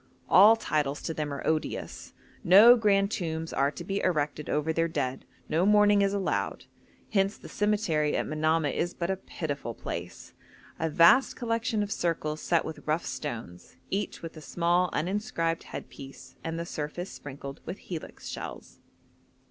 All titles to them are odious; no grand tombs are to be erected over their dead, no mourning is allowed; hence the cemetery at Manamah is but a pitiful place a vast collection of circles set with rough stones, each with a small uninscribed headpiece, and the surface sprinkled with helix shells.